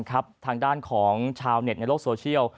ทางด้านของชาวเน็ตในโลกโซเชียล